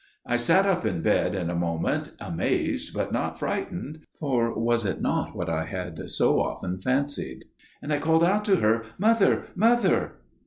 "I sat up in bed in a moment, amazed but not frightened, for was it not what I had so often fancied? and I called out to her: "'Mother, mother!